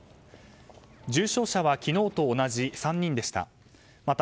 重症者は昨日と同じ３人でした。